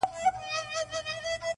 گوندي وي چي یوه ورځ دي ژوند بهتر سي-